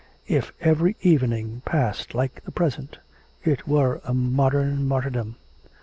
If every evening passed like the present, it were a modern martyrdom....